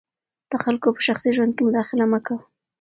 د خلګو په شخصي ژوند کي مداخله مه کوه.